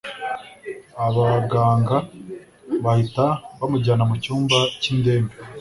abaganga bahita bamujyana mucyumba cyindembe